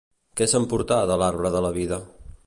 Què s'emportà de l'arbre de la Vida?